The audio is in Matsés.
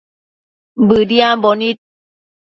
Bëdiambo nid